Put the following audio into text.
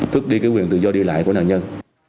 thức đi cái quyền tự do đi lại của nạn nhân